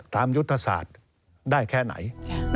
ยุทธศาสตร์ได้แค่ไหน